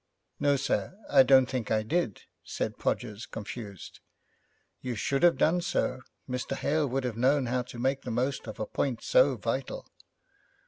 'No, sir, I don't think I did,' said Podgers, confused. 'You should have done so. Mr. Hale would have known how to make the most of a point so vital.'